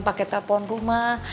pakai telepon rumah